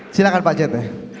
silakan pak jt